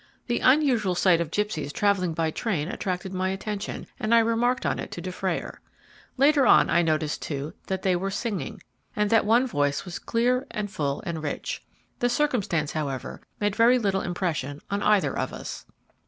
The unusual sight of gipsies travelling by train attracted my attention, and I remarked on it to Dufrayer. Later on I noticed, too, that they were singing, and that one voice was clear, and full, and rich. The circumstance, however, made very little impression on either of us.